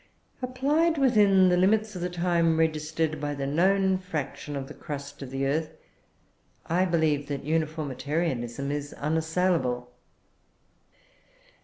Applied within the limits of the time registered by the known fraction of the crust of the earth, I believe that uniformitarianism is unassailable.